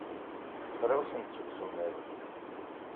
Frawsent seg usemmiḍ.